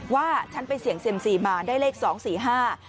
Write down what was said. ว่าฉันไปเสี่ยงเซียมซีมาได้เลขสองสี่ห้า